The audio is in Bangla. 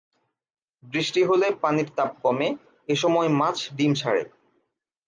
বৃষ্টি হলে পানির তাপ কমে, এসময় মাছ ডিম ছাড়ে।